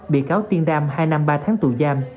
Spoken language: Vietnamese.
bị cáo tiên đam hai năm ba tháng tù giam